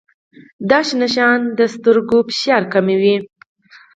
دا سبزی د سترګو فشار کموي.